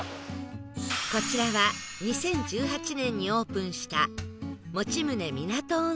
こちらは２０１８年にオープンした